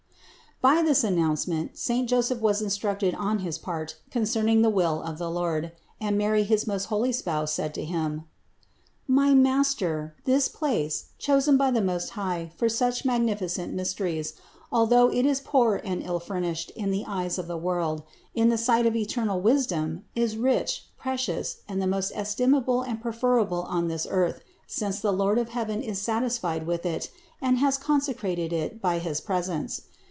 542. By this announcement saint Joseph was instructed on his part concerning the will of the Lord, and Mary his most holy Spouse said to him: "My master, this place, chosen by the Most High for such magnificent mysteries, although it is poor and ill furnished in the eyes of the world, in the sight of eternal Wisdom is THE INCARNATION 457 rich, precious, the most estimable and preferable on this earth, since the Lord of heaven is satisfied with it and has consecrated it by his presence.